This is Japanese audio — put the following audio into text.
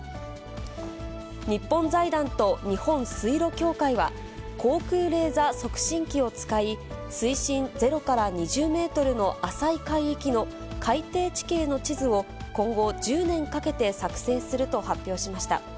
日本財団と日本水路協会は、航空レーザー測深機を使い、水深０から２０メートルの浅い海域の海底地形の地図を、今後１０年かけて作製すると発表しました。